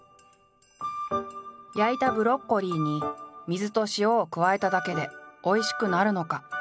焼いたブロッコリーに水と塩を加えただけでおいしくなるのか？